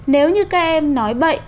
nếu như các em nói bậy